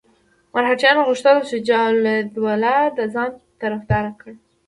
مرهټیانو غوښتل شجاع الدوله د ځان طرفدار کړي.